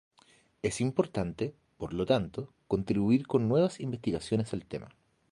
Es importante, por lo tanto, contribuir con nuevas investigaciones al tema.